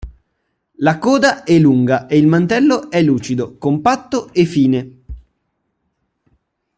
La coda è lunga e il mantello è lucido, compatto e fine.